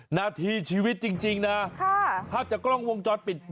นาทีชีวิตจริงนะภาพจากกล้องวงจรปิด